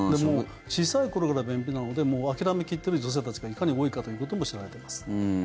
小さい頃から便秘なので諦め切ってる女性たちがいかに多いかということも知られてます。